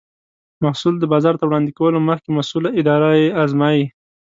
محصول د بازار ته وړاندې کولو مخکې مسؤله اداره یې ازمایي.